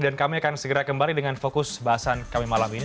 dan kami akan segera kembali dengan fokus bahasan kami malam ini